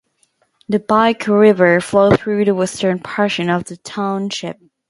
The Pike River flows through the western portion of the township.